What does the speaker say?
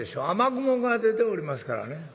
雨雲が出ておりますからね。